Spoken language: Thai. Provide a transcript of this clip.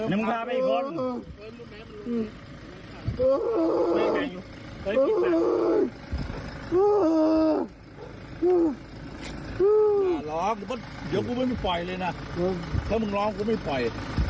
อืมหลองล่ะเดี๋ยวกูไม่ปล่อยเลยน่ะว่ามึงหลองมึงไม่ปล่อย